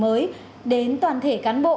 mới đến toàn thể cán bộ